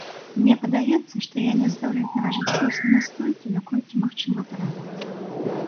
Мне падаецца, што я не здолеў перажыць песню настолькі, наколькі, магчыма, трэба.